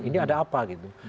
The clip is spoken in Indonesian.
ini ada apa gitu